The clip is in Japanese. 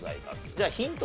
じゃあヒント